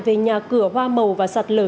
về nhà cửa hoa màu và sạt lở